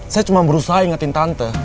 saya cuma berusaha ingetin tante